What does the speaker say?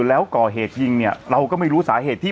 แล้วก่อเหตุยิงเนี่ยเราก็ไม่รู้สาเหตุที่